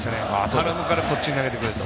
頼むからこっちに投げてくれと。